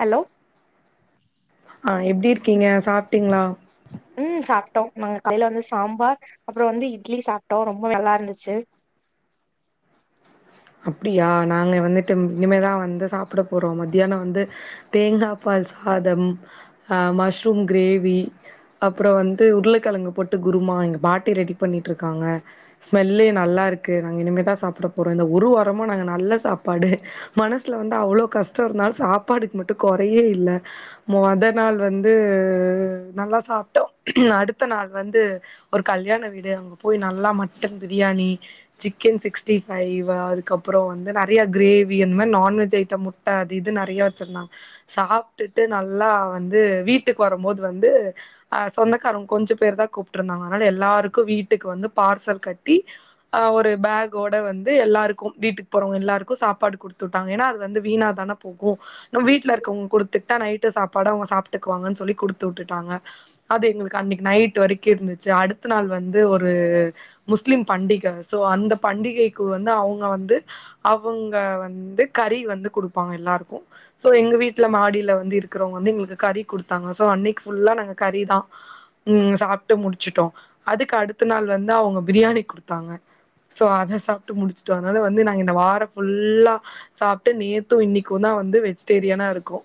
hello அ எப்டி இருக்கீங்க சாப்டீங்ளா ம் சாப்டோ நாங்க [inaudible] வந்து சாம்பார் அப்ற வந்து இட்லி சாப்ட்டோ ரொம்ப நல்லாருந்துச்சு அப்டியா நாங்க வந்துட்டு இனிமேதா வந்து சாப்ட போறோ மத்தியான வந்து தேங்கா பால் சாத அ மஷ்ரூம் க்ரேவி அப்றம் வந்து உருளகிழங்கு போட்டு குருமா எங்க பாட்டி ரெடி பண்ணிட்ருக்காங்க ஸ்மெல்லே நல்லாருக்கு நாங்க இனிமேதா சாப்ட போறோ இந்த ஒரு வாரமா நா நல்ல சாப்பாடு மனசுல வந்து அவ்ளோ கஷ்டம் இருந்தாலு சாப்பாடுக்கு மட்டும் குறையே இல்ல மொத நாள் வந்து நல்லா சாப்டோ அடுத்த நாள் வந்து ஒரு கல்யாண வீடு அங்க போய் நல்லா mutton biryani chicken sixty five வ அதுக்கப்றோ வந்து நெறய க்ரேவி அந்தமேரி நான்வெஜ் ஐட்ட முட்ட அது இதுனு நெறய வச்சிருந்தாங்க சாப்டுட்டு நல்லா வந்து வீட்டுக் வரும்போது வந்து ஆஹ் சொந்தக்காரங்க கொஞ்ச பேரதா கூப்பிட்ருந்தாங்க அதனால எல்லாருக்கும் வீட்டுக்கு வந்து பார்சல் கட்டி ஒரு பேகோட வந்து து எல்லாருக்கு வீட்டுக் போறவங்க எல்லாருக்கு சாப்பாடு குடுத்துட்டாங்க ஏனா அது வந்து வீணாதான போகு வீட்ல இருக்கவ்ங்ககு குடுத்து ட்டா நைட்டு சாப்பாடு அவங்க சாப்ட்டுக்குங்கன் சொல்லி குடுத்து வுட்டுட்டாங்க அது எங்களுக்கு அன்னைக்கு நைட் வரைக்கும் இருந்துச்சு அடுத்த நாள் வந்து ஒரு முஸ்லீம் பண்டிக சோ அந்த பண்டிகைக்கு க்கு வந்து அவுங்க வந்து அவங்க வந்து கறி வந்து குடுப்பாங்க எல்லாருக்கும் சோ எங்க வீட்ல மாடில வந்து இருக்கறவங்க வந்து எங்களுக்கு கறி குடுத்தாங்க சோ அன்னைக்கு ஃபுல்லா நாங்க கறிதா உம் சாப்ட்டு முடிச்சுட்டோம் அதுக்கடுத்த நாள் வந்து அவங்க பிரியாணி குடுத்தாங்க சோ அத சாப் சாப்ட்டு முடிச்சுட்டோம் அதனால வந்து நாங்க இந்த வாரம் ஃபுல்லா சாப்ட்டு நேத்தும் இன்னைக்குந்தா வந்து வெஜிடேரியனா இருக்கோம்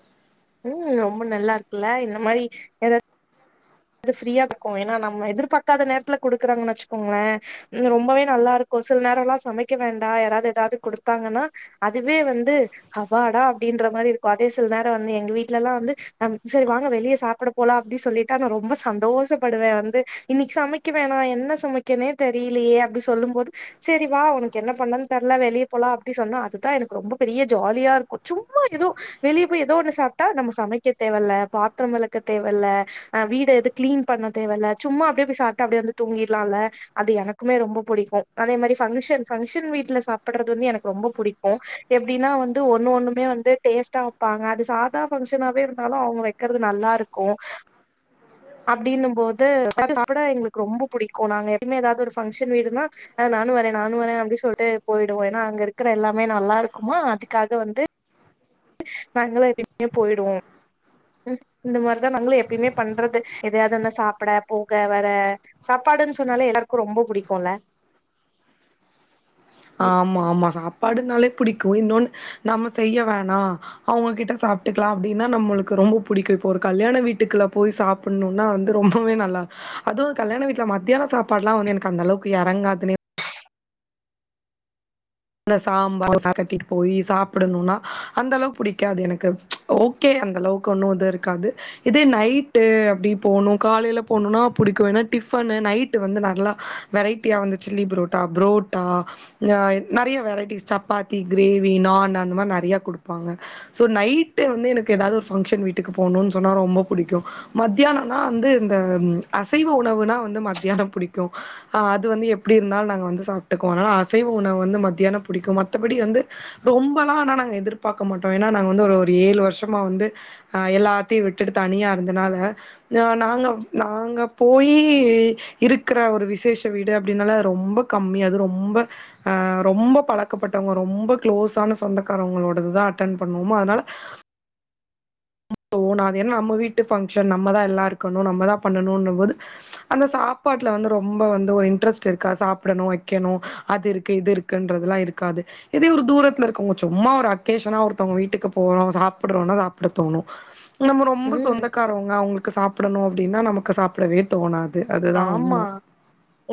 ம் ரொம்ப நல்லாருக்குல்ல இந்த மாரி எதாது அது ஃப்ரீயா இருக்கும் ஏனா நம்ம எதிர்பாக்காத நேரத்ல குடுக்குறாங்கனு வச்சுக்கோங்களே ரொம்பவே நல்லாருக்கும் சில நேரம்லா சமைக்க வேண்டா யாராவது எதாவது குடுத்தாங்கனா அதுவே வந்து அப்பாடா அப்டின்ற மாரி இருக்கும் அதே சில நேரம் வந்து எங்க வீட்லெலா வந்து சரி வாங்க வெளிய சாப்ட போலா அப்டி சொல்லிட்டா நா ரொம்ப ரொம்ப சந்தோஷப்படுவ வந்து இன்னைக்கு சமைக்க வேணா என்ன சமைக்கணு தெரிலையே அப்டி சொல்லும் போது சரி வா உனக்கு என்ன பண்லனு தெர்ல வெளிய போலாம் அப்டினு சொன்னா அதுதா எனக்கு ரொம்ப பெரிய ஜாலியா இருக்கும் சும்மா எதோ வெளியே போய் எதோ ஒண்ணு சாப்ட்டா நம்ம சமைக்க தேவையில பாத்ரம் விளக்க தேவையில்ல வீட்டு து எது க்ளீன் பண்ண தேவல்ல சும்மா அப்டே போய் சாட்டு அப்டே வந்து தூங்கிர்லால அது எனக்குமே ரொம்ப புடிக்கும் அதே மாரி பங்குஷன் பங்ஷன் வீட்ல சாப்பட்றது வந்து எனக்கு ரொம்ப புடிக்கும் எப்டினா வந்து ஒன்னு ஒன்னுமே வந்து டேஸ்ட்டா வப்பாங்க அது சாதா பங்க்ஷனாவேருந்தாலும் அவுங்க வெக்கறது நல்லாருக்கும் அப்டினு போது [unintelligible] எங்ளுக்கு ரொம்ப புடிக்கும் நாங்க எப்பிமே ஏதாது ஒரு ஃபங்க்ஷன் வீடுனா அஹ் நானு வரேன் நானு வரேன் அப்டி சொல்ட்டு போயிடுவோ ஏனா அங்க இருக்கிற எல்லாமே நல்லாருக்குமா அதுக்காக வந்து நாங்களா [inaudible] போயிடுவோ இந்த மாரிதா நங்குளு எப்பியுமே பண்றது எதையாதுதன்ன சாப்பட போக வர சாப்பாடுன் சொன்னாலே எல்லாருக்கு ரொம்ப புடிக்குல ஆமா ஆமா சாப் பாடுனாலே புடிக்கும் இன்னொன்னு நம்ம செய்ய வேணாம் அவுங்ககிட்ட சாப்பிடுக்லாம் அப்டின்னா நம்மளுக்கு ரொம்ப புடிக்கும் இப்போ ஒரு கல்யாண வீட்டுக்ள்ள போய் சாப்புட்ணுன்னா வந்து ரொம்பவே நல்லா அதுவும் கல்யாண வீட்ல மத்யான சாப்பாட்லாம் வந்து எனக்கு அந்த அளவுக்கு எறங்காதுனே த சாம்பார் [unintelligible] கட்டிட் போய் சாப்டணுனா அந்தளவு புடிக்காது எனக்கு ச் ஓகே அந்தளவுக்கு ஒன்னும் இது இருக்காது இதே நைட்டு அப்டி போணும் காலைல போணுனா புடிக்கும் ஏன்னா டிஃபனு நைட்டு வந்து நல்லா வெரைட்டியா வந்து சில்லி புரோட்டா புரோட்டா நறிய வெரைட்டிஸ் சப்பாத்தி கிரேவி நான் அந்த மாரி நறைய குடுப்பாங்க சோ நைட்டு வந்து எனக்கு ஏதாவ்து ஒரு ஃபங்க்ஷன் வீட்டுக்கு போணும் சொன்னா ரொம்ப புடிக்கும் மத்யானன்னா அந்து அந்த அசைவ உணவுனா வந்து மத்யான புடிக்கும் அது வந்து எப்டி இருந்தாலும் நாங்க வந்து சாப்ட்டுக்குவம் அனால அசைவ உணவு வந்து மத்யான புடிக்கும் மத்தபடி வந்து ரொம்பலாம் ஆனா நாங்க எதுர்பாக்க மாட்டோம் ஏன்னா நாங்க வந்து ஒரு ஏழு வர்ஷமா வந்து எல்லாத்தியும் விட்டுட்டு தனியா இருந்தனால நாங்க நாங்க போயி இருக்கிற ஒரு விசேஷ வீடு அப்டினால ரொம்ப கம்மி அது ரொம்ப அஹ் ரொம்ப பலக்கப்பட்டவங்க ரொம்ப க்ளோசான சொந்தக்காரவ்ங்களோடதுதான் அட்டன் பண்ணுவோமா அத்னால [inaudible] நம்ம வீட்டு ஃபங்ஷன் நம்மதா எல்ல இருக்கனும் நம்மதா பன்னனுன்னு போது அந்த சாப்பாட்ல வந்து ரொம்ப வந்து ஒரு இன்ட்ரஸ்ட் இருக்காத் சாப்டனு வக்கனு அது இருக்கு இது இருக் கின்றதுலா இருக்காது இதே ஒரு தூரத்ல இருக்கவங்க சும்மா ஒரு அக்கேஷனா ஒருத்தவங்க வீட்டுக்கு போறோம் சாப்புட்றோன்னா சாப்ட தோணும் நம்ம ரொம்ப ம் சொந்தக்காரவங்க அவுங்குளுக்கு சாப்புடணும் ப்படினா நமக்கு சாப்டவே தோணாத் ஆமா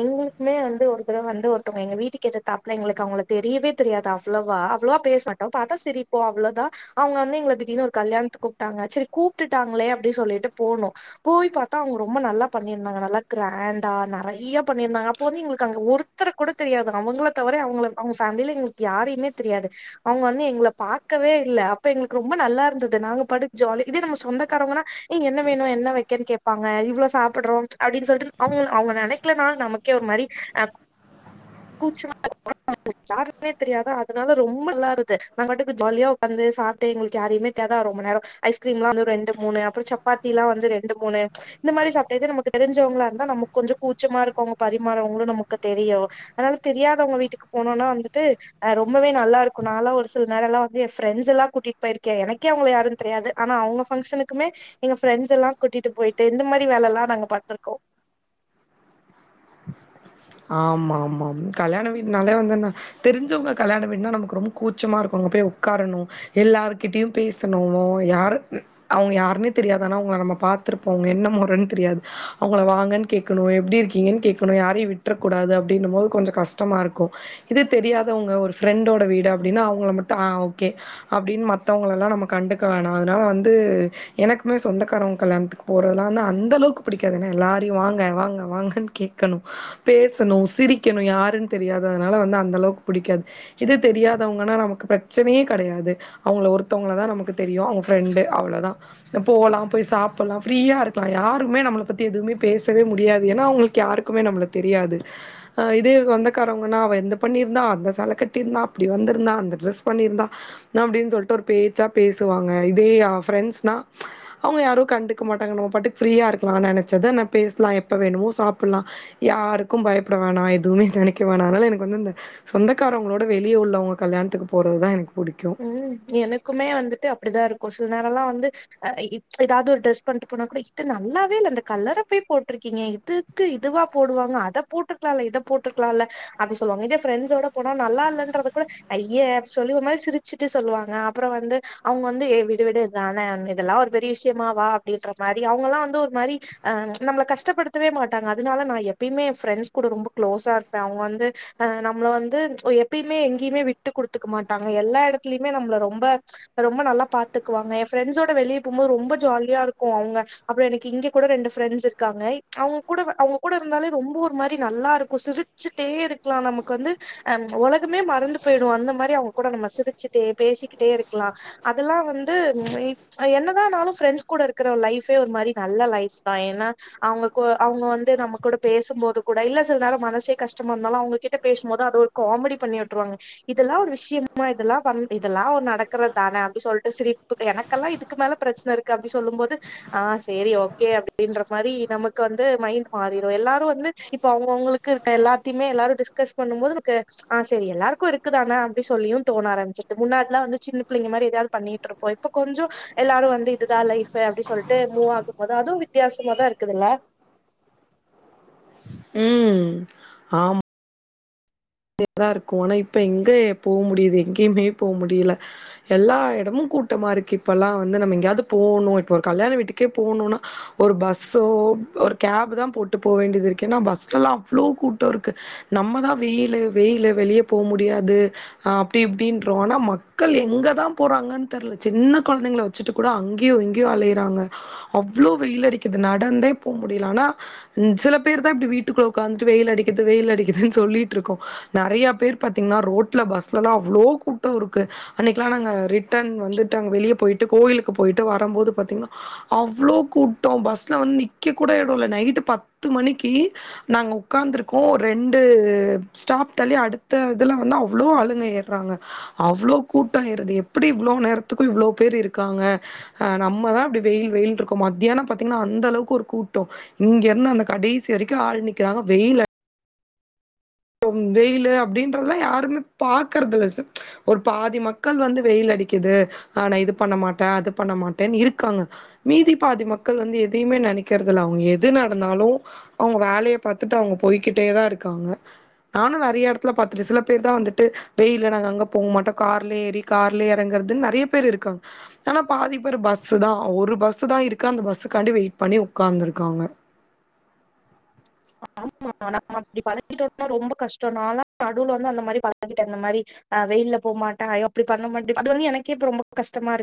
எங்ளுக்குமே வந்து ஒருத்தட வந்து ஒரு [unintelligible] எங்க வீட்டுக் ஏதுத்தாப்ல எங்ளுக் அவுங்கள தெரியவே தெரியாது அவ்ளவா அவ்ளோவா பேஸ் மாட்டோம் பாத்தா சிரிப்போம் அவ்ளோதா அவுங்க வந்து எங்ள திடீர்னு ஒரு கல்யாண்த்து கூப்ட்டாங்க செரி கூப்டுட்டாங்ளே அப்டி சொல்லிட்டு போணோ போய் பாத்தா அவுங்க ரொம்ப நல்லா பண்ணிர்ந்தாங்க நல்லா க்ராண்டா நறைய்யா பண்ணிருந்தாங்க அப்போ வந்து எங்ளுக்கு அங்க ஒருத்தர கூட தெரியாது அவங்கள தவர அவங்கள அவுங்க ஃபேம்லில எங்ளுக் யாரையுமே தெரியாது அவுங்க வந்து எங்கள பாக்கவே இல்ல அப்ப எங்ளுக்கு ரொம்ப நல்லா இருந்தது நாங்க பாட்டுக்கு ஜாலி இதே நம்ம சொந்தக்காரவ்ங்கனா ஏ என்ன வேணும் என்ன வக்கன் கேப்பாங்க இவ்ளோ சாப்புட்றோம் அப்டின் சொல் அவுங்க நெனக்லனால் நமக்கே ஒரு மாரி கூச்ச [inaudible] யாருமே தெரியதா அதனால ரொம்ப நல்லாருந்து நாங்க பாட்டுக்கு ஜாலியா உக்காந்து சாப்ட்டு எங்ளுக்கு யாரயுமே [unintelligible] ரொம்ப நேரம் ஐஸ்க்ரீம்லாம் ரெண்டு மூணு அப்றொம் சப்பாத்திலா வந்து ரெண்டு மூணு இந்த மாரி சாப்ட்டு தே நமக்கு தெரிஞ்சவுங்ளா அந்த நமக் கொஞ்சம் கூச்சமாருக்கும் அங்க பரிமாறவங்களும் நமக்கு தெரியும் அனால தெரியாதவங்க வீட்டுக்கு போனோனா வந்துட்டு ரொம்பவே நல்லாருக்கும் நாலா ஒரு சில நேரல்லாம் வந்து என் ஃப்ரெண்ஸ் எல்லா கூட்டிட் பேயிர்க்கேன் எனக்கே அவுங்குள யாருன் தெரியாது ஆனா அவுங்க ஃபங்ஷனுக்குமே எங்க ஃப்ரெண்ஸ் எல்லாம் கூட்டிட்டு போயிட்டு இந்த மாரி வேலல்லாம் நாங்க பாத்துருக்கோ ஆமா ஆமாம் கல்யாண வீட்னாலே வந்துன்ன தெரிஞ்சவுங்க கல்யாண வீடுனா நமக்கு ரொம்ப கூச்சமாருக்கு அங்க பேய் உக்காரணு எல்லாருகிட்டியு பேசுணு யாரு அவுங்க யாருனே தெரியாது ஆனா அவுங்ள நம்ம பாத்துருப்போஅவுங்க என்ன மொறன் திரியாது அவுங்கள வாங்கன் கேக்கணு எப்டி இருக்கீங்கன் கேக்கணு யாரயும் விட் ட்ரக்கூடாது அப்டின்னு போது கொஞ்ச கஸ்டமாருக்கு இது தெரியாதவங்க ஒரு ஃப்ரெண்டோட வீடு அப்டினா அவுங்கள மட்டு ஆஹ் ஓகே அப்டின் மத்தவுங்ளலான் நம்ம கண்டுக்க வேணாம் அதனால வந்து எனக்குமே சொந்தக்காரவுங் கல்யாணத்துக்கு போறதல்லாம் வந்து அந்தளவுக்கு புடிக்காது ஏன்னா எல்லாரியும் வாங்க வாங்க வாங்கன் கேக்கணு பேசணு சிரிக்கணு யாருன் தெரியாது அதனால வந்து அந்தளவுக் புடிக்காது இது தெரியாதவங்கனா நமக்கு ப்ரச்சனையே கடையாது அவுங்கள ஒர்த்தவங்கள தான் நமக்கு தெரியும் அவுங்க ஃப்ரெண்டு அவ்ளோதான் போகலாம் போய் சாப்புட்லாம் ஃப்ரீயா இருக்லாம் யாருமே நம்மள பத்தி எதுவுமே பேசவே முடியாது ஏனா அவுங்ளுக்கு யார்க்குமே நம்ள தெரியாது இதே சொந்தக்காரவுங்கனா அவ இந்த பண்ணிருந்தா அந்த சேல கட்டிர்ந்தான் அப்டி வந்துருந்தான் அந்த ட்ரஸ் பண்ணிருந்தான் அப்டின் சொல்ட்டு ஒரு பேச்சா பேசுவாங்க இதே ஃப்ரெண்ட்ஸ்னா அவுங்க யாரு கண்டுக்க மாட்டாங்க நம்ம பட்டுக் ஃப்ரீயா இருக்கலாம் நெனச்சத ந பேஸ்லா எப்ப வேணுமோ சாப்புட்லா யாருக்கும் பயப்ட வேணா எதுவுமே நெனக்க வேணா அத்னால எனக்கு வந்துந்த சொந்தக்காரவங்களோட வெளிய உள்ளவங்க கல்யாண்த்துக்கு போறதுதான் எனக் ம் எனக்குமே வந்துட்டு அப்டிதாருக் கொசு நேரலாம் வந்து ஏதாது ஒரு டெஸ் பண்ட்டு போனா கூட இது நல்லாவேல்ல ந்த கலர போய் போட்ருக்கீங்க இதுக்கு இதுவா போடுவாங்க அத போட்டுருக்லால்ல இத போட்ருக்கலால்ல அப்டி சொல்வாங்க இதே ஃப்ரெண்ஸோட போனா நல்லான்றத கூட ஐய சொல்லி ஒரு மாரி சிரி சிட்டு சொல்வாங்க அப்புறொ வந்து அவுங்க வந்து விடுவிடு தான இதெல்லா ஒரு பெரிய விஷ்யமாவா அப்டின்ற மாரி அவுங்கல்லாம் வந்து ஒரு மாரி அஹ் நம்ள கஷ்டப்படுத்தவே மாட்டாங்க அதுனால நா எப்பயுமே என் ஃப்ரெண்ட்ஸ் கூட ரொம்ப க்ளோஸ்சா இருப்பேன் அவுங்க வந்து எப்பியிமே எங்கியுமே விட்டு குடுத்துக் மாட்டாங்க எல்லா எடத் க்லிமே நம்ள ரொம்ப ரொம்ப நல்லா பாத்துக்குவாங்க என் ஃப்ரெண்ஸோட வெளிய போகம்போது ரொம்ப ஜாலியாருக்கும் அவுங்க அப்றொம் எனக்கு இங்க கூட ரெண்டு ஃப்ரெண்ட்ஸ் இருக்காங்கை அவுங கூட அவுங்க கூட இருந்தாலே ரொம்ப ஒரு மாரி நல்லாருக்கும் சிருச்சுட்டே இருக்லாம் நமக்கு வந்து அஹ் ஒலகமே மறந்து பெய்டும் அந்த மாரி அவுங்க கூட நம்ம சிருச் சிட்டே பேசிக்கிட்டே இருக்லாம் அதெல்லாம் வந்து என்னதானாலும் ஃப்ரெண்ட்ஸ் கூட இருக்குற லைஃப்பே ஒரு மாரி நல்ல லைஃப் தா ஏன்னா அவுங்க கூ அவுங்க வந்து நம்ம கூட பேசும்போது கூட இல்ல சில் நேரம் மனசே கஷ்டமார்ந்தாலும் அவுங்க கிட்ட பேஷ்ம் மோது அத ஒரு காமெடி பண்ணி உட்டுருவாங்க இதல்லா ஒரு விஷ்யமா இதல்லாம் பன்ட் இதல்லாம் ஒ நடக்குறதான அப்டி சொல்ட்டு சிரிப்பு எனக்கல்லாம் இதுக்கு மேல ப்ரச்ன இருக்கு அப்டி சொல்லும் போது ஆஹ் சேரி ஓகே அப்டின்ற மாரி நமக்கு வந்து மைண்ட் மாறிறும் எல்லாரும் வந்து இப்ப அவுங்கவுங்களுக்கு இருக்க எல்லாத்யுமே எல்லாரும் டிஸ்கஸ் பண்ணும் போதுனுக்கு ஆஹ் செரி எல்லாருக்கு இருக்குதான அப்டி சொல்லியும் தோணரம் சிட்டு முன்னாட்லாம் வந்து சின்ன புள்ளைங்க மாரி ஏதாவது பண்ணிட்ருப்போம் இப்ப கொஞ்சொம் எல்லாரும் வந்து இதுதான் லைஃபு அப்டி சொல்ட்டு மூவ் ஆகுமோது அதுவு வித்தியாசமாதா இருக்குதுல்ல ஆம் [inaudible] இருக்கும் ஆனா இப்ப எங்கே போ முடியுது எங்கேயுமே போ முடியல எல்லா எடமும் கூட்டமாருக்கு இப்பலா வந்து நம்ம எங்யாது போவுணும் இப்ப ஒரு கல்யாண வீட்டுக்கே போணுன்னா ஒரு பஸ்சோ ஒரு கேப் தான் போட்டு போவேண்டியது இருக்கு ஏன்னா பஸ்லலாம் அவ்ளோ கூட்டொருக்கு நம்மதான் வெய்யி லு வெயிலு வெளிய போ முடியாது அஹ் அப்டி இப்டின்றோ ஆனா மக்கள் எங்கதான் போறாங்கன் தெர்ல சின்ன கொலந்தைங்ள வச்சுட்டு கூட அங்யும் இங்யும் அலைறாங்க அவ்ளோ வெயில் அடிக்கிது நடந்தே போ முடில ஆனா சில பேர்தா இப்டி வீட்டுக்குள்ள உக்காந்துட்டு வெயில் அடிக்கிது வெயில் அடிக்கிதுன்னு சொல்லி ட்ருகோ நறையா பேர் பாத்தீங்கனா ரோட்ல பஸ்லலா அவ்ளோ கூட்டொருக்கு அன்னைகுலா நாங்க ரிட்டன் வந்துட்டு அங்க வெளிய போயிட்டு கோயிலுக்கு போயிட்டு வரம் போது பாத்தீங்ன்னா அவ்ளோ கூட்டொம் பஸ்ல வந்து நிக்க கூட எடொ இல்ல நைட்டு பத்து மணிக்கி நாங்க உக்காந்துருக்கோம் ரெண்டு ஸ்டாப் தள்ளி அடுத்த இதுல வந்து அவ்ளோ அளுங்க ஏற்றாங்க அவ்ளோ கூட்டம் ஏறுது எப்டி இவ்ளோ நேரத்துக்கும் இவ்ளோ பேரு இருக்காங்க அஹ் நம்மதான் இப்டி வெயில் வெயில்ருக்கோம் மத்யானம் பாத்தீங்னா அந்த அளவுக்கு ஒரு கூட்டொம் இங்கருந்து அந்த கடைசி வரக்கிம் ஆள் நிக்கிறாங்க வெயில் அட் வெயிலு அப்டின்றதுலாம் யாருமே பாக்கற்துல்ல ஒரு பாதி மக்கள் வந்து வெயில் அடிக்கிது ஆஹ் நா இது பண்ண மாட்டன் அது பண்ண மாட்டன் இருக்காங்க மீதி பாதி மக்கள் வந்து எதையுமே நெனக்கற்துல்ல அவுங்க எது நடந்தாலும் அவுங்க வேலய பாத்துட்டு அவுங்க போய்கிட்டேதா இருக்காங்க நானு நறய எடத்துல பாத்துட்டன் சில பேர் தா வந்துட்டு வெயில்ல நாங்க அங்க போ மாட்டோம் கார்லே ஏறி கார்லே எறங்கற்துன் நறைய பேர் இருக்காங் ஆனா பாதி பேர் பஸ்ஸு தா ஒரு பஸ்ஸுதா இருக்கு அந்த பஸ்ஸுக்காண்டி வெயிட் பண்ணி உக்காந்துருக்காங்க [inaudible] அப்டி பலகிட்டோனா ரொம்ப கஷ்டொ நாலா நடுவுல வந்து அந்த மாரி [inaudible] அந்த மாரி அஹ் வெயில்ல போ மாட்டன் அய்யோ அப்டி பண்ண மாட்டு அது வந்து எனக்கே இப்ப ரொம்ப கஷ்டமா இருக்கு